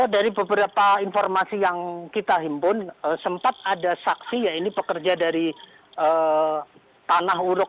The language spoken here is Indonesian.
dari beberapa informasi yang kita himpun sempat ada saksi ya ini pekerja dari tanah uruk